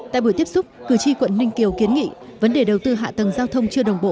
tại buổi tiếp xúc cử tri quận ninh kiều kiến nghị vấn đề đầu tư hạ tầng giao thông chưa đồng bộ